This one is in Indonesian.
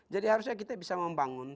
jadi harusnya kita bisa membangun